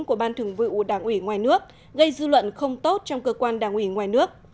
của ban thường vụ đảng ủy ngoài nước gây dư luận không tốt trong cơ quan đảng ủy ngoài nước